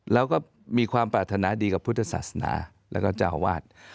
แล้วก็มีความปรารถนาดีกับพุทธศาสนาแล้วก็เจ้าอาวาส